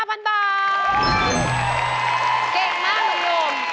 เก่งมากเลยหนุ่ม